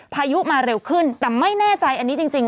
พายุมาเร็วขึ้นแต่ไม่แน่ใจอันนี้จริง